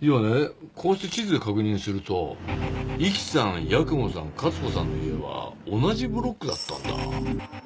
いやねこうして地図で確認すると壱岐さん八雲さん勝子さんの家は同じブロックだったんだ。